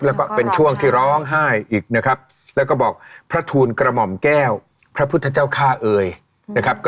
แล้วก็เป็นช่วงที่ร้องไห้อีกนะครับแล้วก็บอกพระทูลกระหม่อมแก้วพระพุทธเจ้าฆ่าเอ่ยนะครับ